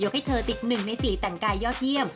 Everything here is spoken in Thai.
ให้เธอติด๑ใน๔แต่งกายยอดเยี่ยม